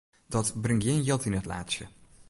Dat bringt gjin jild yn it laadsje.